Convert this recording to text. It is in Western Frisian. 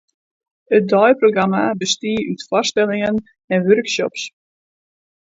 It deiprogramma bestie út foarstellingen en workshops.